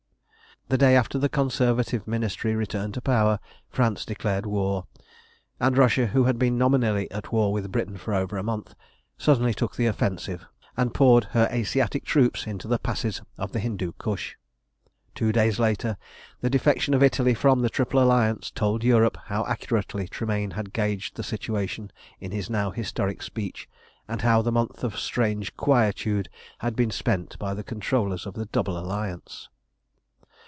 The day after the Conservative Ministry returned to power, France declared war, and Russia, who had been nominally at war with Britain for over a month, suddenly took the offensive, and poured her Asiatic troops into the passes of the Hindu Kush. Two days later, the defection of Italy from the Triple Alliance told Europe how accurately Tremayne had gauged the situation in his now historic speech, and how the month of strange quietude had been spent by the controllers of the Double Alliance.